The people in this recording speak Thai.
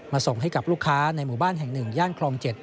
ส่งให้กับลูกค้าในหมู่บ้านแห่ง๑ย่านคลอง๗